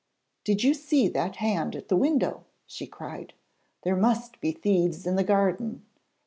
'Did you see that hand at the window?' she cried. 'There must be thieves in the garden!'